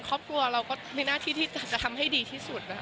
ครอบครัวเราก็มีหน้าที่ที่จะทำให้ดีที่สุด